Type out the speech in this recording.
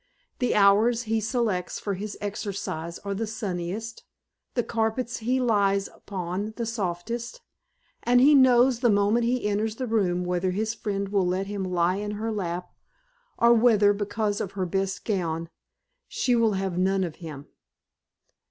The hours he selects for his exercise are the sunniest; the carpets he lies upon the softest, and he knows the moment he enters the room whether his friend will let him lie in her lap, or whether because of her best gown she will have none of him.